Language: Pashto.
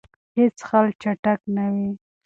هیڅ حل چټک نه وي.